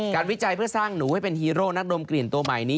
วิจัยเพื่อสร้างหนูให้เป็นฮีโร่นักดมกลิ่นตัวใหม่นี้